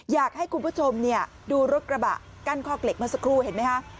อยากให้คุณผู้ชมเนี่ยดูรถกระบะกั้นคอกเล็กมาฆ่าเมื่อสักครู่เห็นมั้ยฮะ